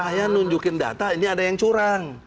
saya nunjukin data ini ada yang curang